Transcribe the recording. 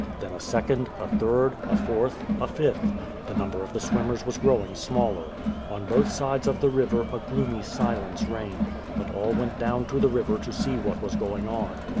Then a second, a third, a fourth, a fifth ... the number of the swimmers was growing smaller. On bath sides of the river, a gloomy silence reigned; but all went down to the river to see what was going on.